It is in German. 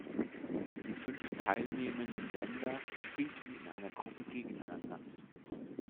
Die fünf teilnehmenden Länder spielten in einer Gruppe gegeneinander.